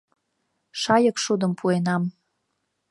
Шайык шудым пуэнам.